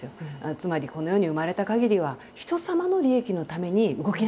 つまり「この世に生まれたかぎりはひとさまの利益のために動きなさい」と。